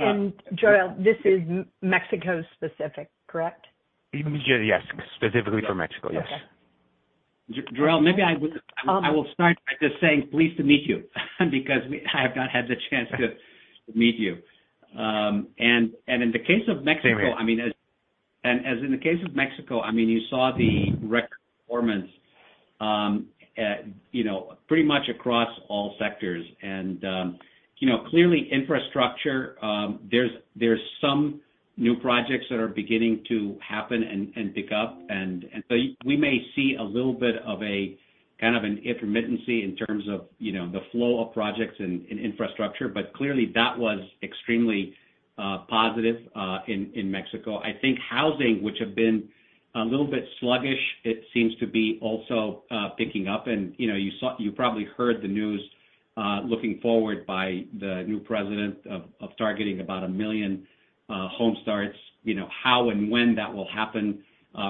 Jorel, this is Mexico specific, correct? Yes, specifically for Mexico, yes. Okay. Jorel, maybe I would, I will start by just saying pleased to meet you, because we—I have not had the chance to meet you. And in the case of Mexico- Same here. I mean, as in the case of Mexico, I mean, you saw the record performance, you know, pretty much across all sectors. You know, clearly infrastructure, there's some new projects that are beginning to happen and pick up. So we may see a little bit of a kind of an intermittency in terms of, you know, the flow of projects in infrastructure, but clearly, that was extremely positive in Mexico. I think housing, which have been a little bit sluggish, it seems to be also picking up. You know, you saw—you probably heard the news, looking forward by the new president of targeting about 1 million home starts. You know, how and when that will happen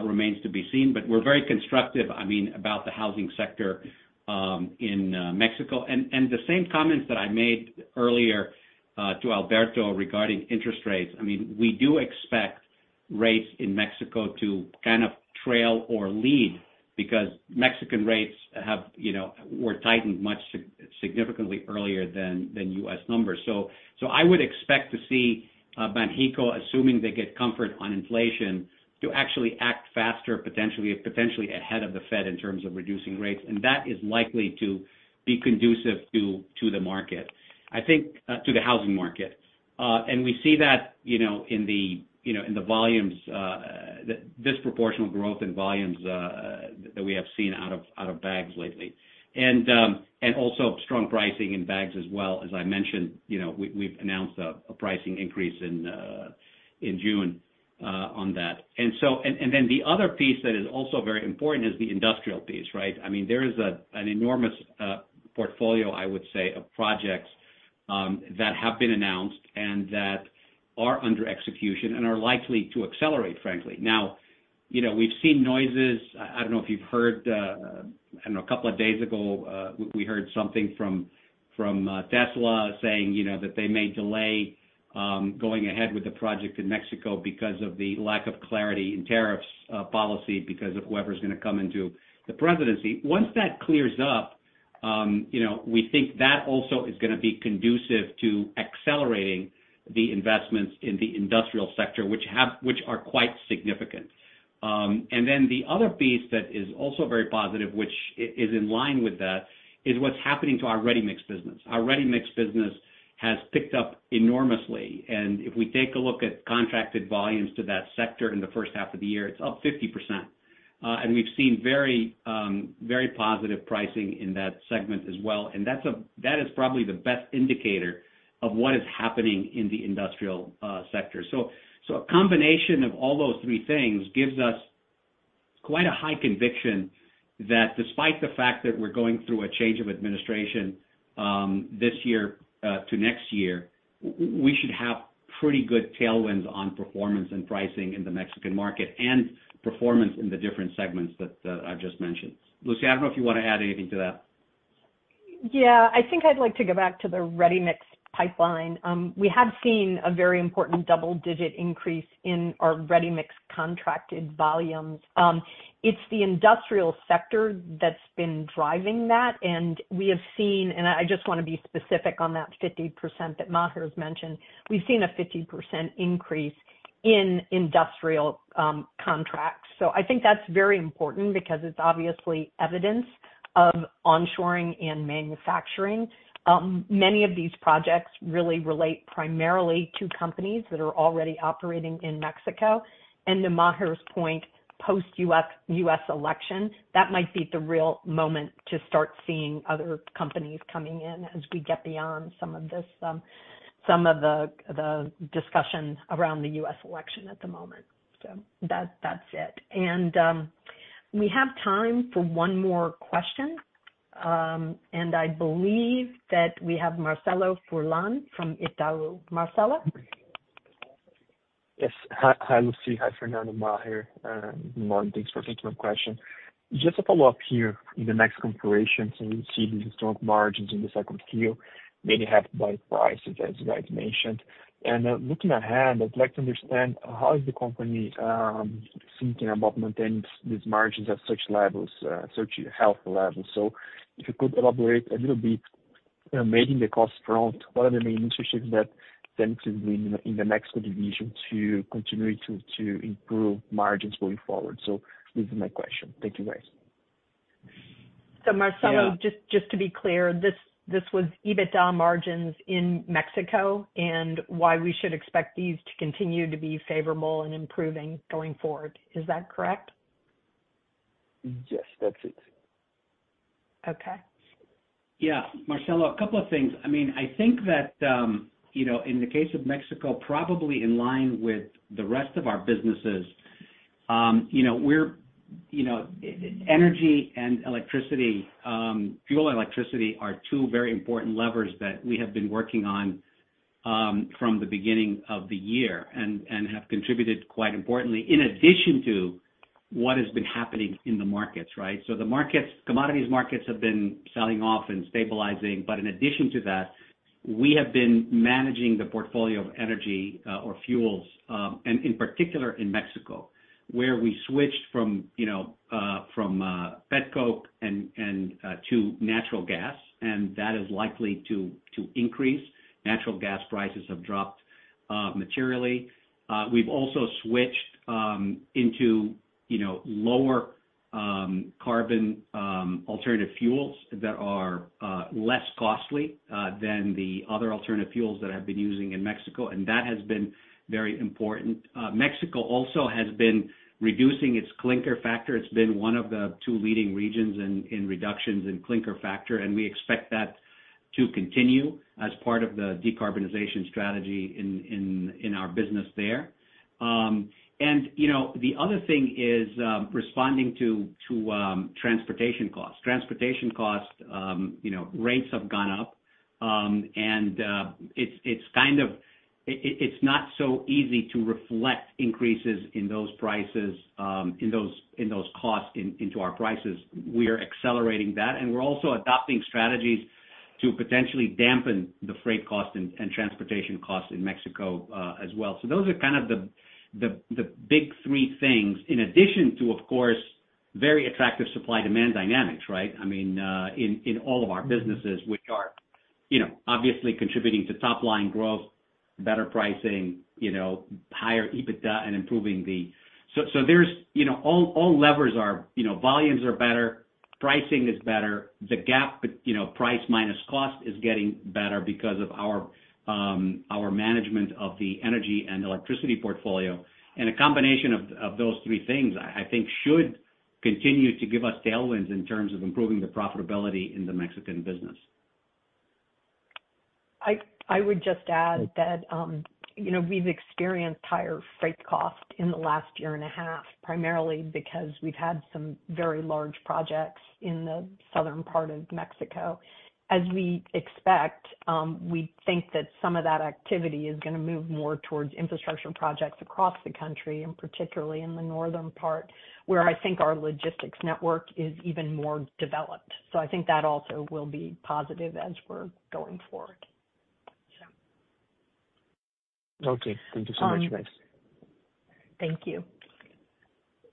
remains to be seen, but we're very constructive, I mean, about the housing sector in Mexico. And the same comments that I made earlier to Alberto regarding interest rates, I mean, we do expect rates in Mexico to kind of trail or lead, because Mexican rates have, you know, were tightened much significantly earlier than U.S. numbers. So I would expect to see Banxico, assuming they get comfort on inflation, to actually act faster, potentially ahead of the Fed in terms of reducing rates, and that is likely to be conducive to the market. I think to the housing market. And we see that, you know, in the volumes, the disproportional growth in volumes that we have seen out of bags lately. And, and also strong pricing in bags as well. As I mentioned, you know, we've announced a pricing increase in June on that. And so, and then the other piece that is also very important is the industrial piece, right? I mean, there is an enormous portfolio, I would say, of projects that have been announced and that are under execution and are likely to accelerate, frankly. Now, you know, we've seen noises. I, I don't know if you've heard. I don't know, a couple of days ago, we, we heard something from, from, Tesla saying, you know, that they may delay going ahead with the project in Mexico because of the lack of clarity in tariffs policy, because of whoever's gonna come into the presidency. Once that clears up, you know, we think that also is gonna be conducive to accelerating the investments in the industrial sector, which have, which are quite significant. And then the other piece that is also very positive, which is in line with that, is what's happening to our ready-mix business. Our ready-mix business has picked up enormously, and if we take a look at contracted volumes to that sector in the first half of the year, it's up 50%. And we've seen very, very positive pricing in that segment as well, and that is probably the best indicator of what is happening in the industrial sector. So, a combination of all those three things gives us quite a high conviction that despite the fact that we're going through a change of administration, this year to next year, we should have pretty good tailwinds on performance and pricing in the Mexican market and performance in the different segments that I've just mentioned. Lucy, I don't know if you want to add anything to that. Yeah. I think I'd like to go back to the ready-mix pipeline. We have seen a very important double-digit increase in our ready-mix contracted volumes. It's the industrial sector that's been driving that, and we have seen, and I just wanna be specific on that 50% that Maher has mentioned. We've seen a 50% increase in industrial contracts. So I think that's very important because it's obviously evidence of onshoring and manufacturing. Many of these projects really relate primarily to companies that are already operating in Mexico. And to Maher's point, post U.S., U.S. election, that might be the real moment to start seeing other companies coming in as we get beyond some of this, some of the, the discussion around the U.S. election at the moment. So that, that's it. We have time for one more question, and I believe that we have Marcelo Furlan from Itaú. Marcelo? Yes. Hi, hi, Lucy. Hi, Fernando, Maher, good morning. Thanks for taking my question. Just a follow-up here in the next configuration, so we see the strong margins in the second quarter, maybe half by prices, as you guys mentioned. And, looking ahead, I'd like to understand: How is the company thinking about maintaining these margins at such levels, such health levels? So if you could elaborate a little bit, you know, maybe in the cost front, what are the main initiatives that tend to be in the, in the Mexico division to continue to, to improve margins going forward? So this is my question. Thank you, guys. So, Marcelo- Yeah. Just to be clear, this was EBITDA margins in Mexico, and why we should expect these to continue to be favorable and improving going forward. Is that correct? Yes, that's it. Okay. Yeah, Marcelo, a couple of things. I mean, I think that, you know, in the case of Mexico, probably in line with the rest of our businesses, you know, we're energy and electricity, fuel and electricity are two very important levers that we have been working on from the beginning of the year and have contributed quite importantly, in addition to what has been happening in the markets, right? So the markets—commodities markets have been selling off and stabilizing, but in addition to that, we have been managing the portfolio of energy or fuels, and in particular in Mexico, where we switched from, you know, petcoke and to natural gas, and that is likely to increase. Natural gas prices have dropped materially. We've also switched into, you know, lower carbon alternative fuels that are less costly than the other alternative fuels that I've been using in Mexico, and that has been very important. Mexico also has been reducing its clinker factor. It's been one of the two leading regions in reductions in clinker factor, and we expect that to continue as part of the decarbonization strategy in our business there. And, you know, the other thing is responding to transportation costs. Transportation costs, you know, rates have gone up, and it's kind of, it's not so easy to reflect increases in those prices in those costs into our prices. We are accelerating that, and we're also adopting strategies to potentially dampen the freight costs and transportation costs in Mexico, as well. So those are kind of the big three things, in addition to, of course, very attractive supply-demand dynamics, right? I mean, in all of our businesses, which are, you know, obviously contributing to top-line growth, better pricing, you know, higher EBITDA and improving the... So there's, you know, all levers are, you know, volumes are better, pricing is better, the gap, you know, price minus cost is getting better because of our management of the energy and electricity portfolio. And a combination of those three things, I think, should continue to give us tailwinds in terms of improving the profitability in the Mexican business. I would just add that, you know, we've experienced higher freight costs in the last year and a half, primarily because we've had some very large projects in the southern part of Mexico. As we expect, we think that some of that activity is gonna move more towards infrastructure projects across the country, and particularly in the northern part, where I think our logistics network is even more developed. So I think that also will be positive as we're going forward, so. Okay. Thank you so much. Thanks. Thank you.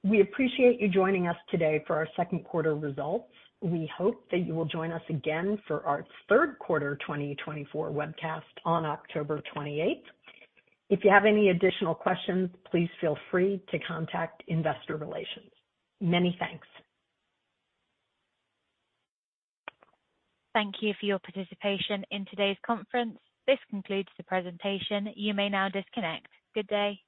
We appreciate you joining us today for our second quarter results. We hope that you will join us again for our third quarter 2024 webcast on October 28th. If you have any additional questions, please feel free to contact Investor Relations. Many thanks. Thank you for your participation in today's conference. This concludes the presentation. You may now disconnect. Good day!